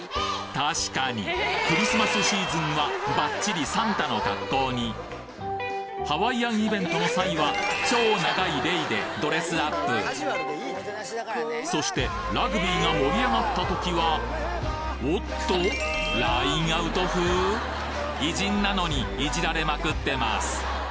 確かにクリスマスシーズンはばっちりサンタの格好にハワイアンイベントの際は超長いレイでドレスアップそしてラグビーが盛り上がったときはおっとラインアウト風！？偉人なのにいじられまくってます